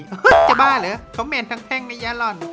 ฮึจะบ้าเหรอคอมเมนทั้งในยาล่อน